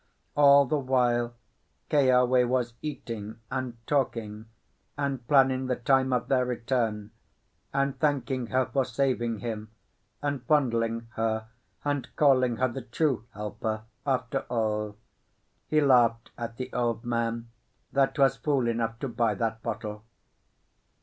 All the while Keawe was eating and talking, and planning the time of their return, and thanking her for saving him, and fondling her, and calling her the true helper after all. He laughed at the old man that was fool enough to buy that bottle.